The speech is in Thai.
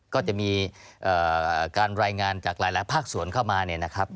ก็จะมีการรายงานจากหลายภาคสวนเข้ามา